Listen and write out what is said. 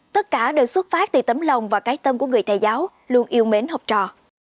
tất cả đều xuất phát từ tấm lòng và cái tâm của người thầy giáo luôn yêu mến học trò